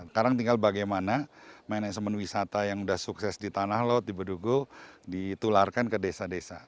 sekarang tinggal bagaimana manajemen wisata yang sudah sukses di tanah laut di bedugu ditularkan ke desa desa